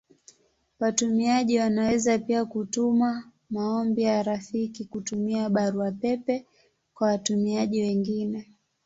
Watumiaji wanaweza pia kutuma maombi ya rafiki kutumia Barua pepe kwa watumiaji wengine.